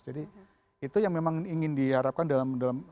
jadi itu yang memang ingin diharapkan dalam